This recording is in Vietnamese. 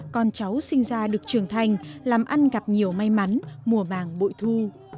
con cháu sinh ra được trưởng thành làm ăn gặp nhiều may mắn mùa màng bội thu